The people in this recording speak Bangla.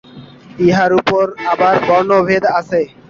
ইহার উপর আবার বর্ণভেদ আছে।